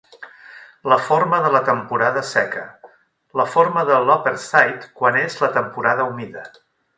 La forma de la temporada seca: la forma de l'Upperside quan és la temporada humida.